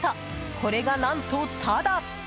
これが何とタダ。